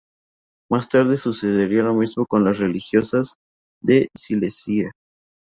Más tarde sucedería lo mismo con las religiosas de Silesia.